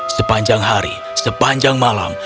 sepanjang hari sepanjang malam